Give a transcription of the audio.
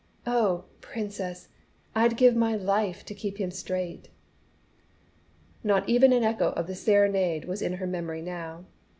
Oh, Princess! I'd give my life to keep him straight!" Not even an echo of the serenade was in her memory now.